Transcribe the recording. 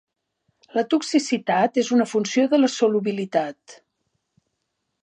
La toxicitat és una funció de la solubilitat.